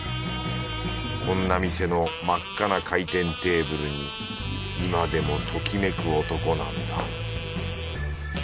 こんな店の真っ赤な回転テーブルに今でもときめく男なんだ